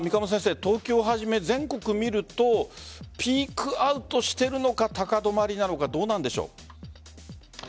東京をはじめ、全国を見るとピークアウトしているのか高止まりなのかどうなんでしょう。